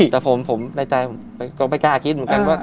แต่ผมในใจผมก็ไม่กล้าคิดเหมือนกันว่า